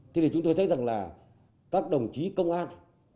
thế thì chúng tôi thấy rằng là các đồng chí công an